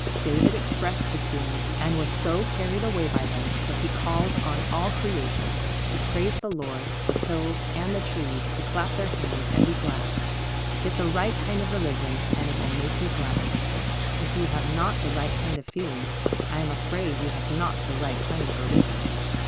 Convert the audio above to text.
David expressed his feelings, and was so carried away by them that he called on all creation to praise the Lord, the hills and the trees to clap their hands and be glad. Get the right kind of religion, and it will make you glad. If you have not the right kind of feeling, I am afraid you. have not the right kind of religion.